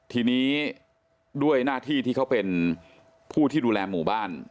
ทีนี้ด้วยหน้าที่ที่เขาเป็นผู้ที่ดูแลหมู่บ้าน